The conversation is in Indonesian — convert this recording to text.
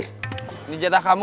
ini jatah kamu